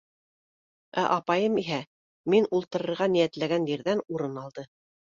Ә апайым иһә мин ултырырға ниәтләгән ерҙән урын алды.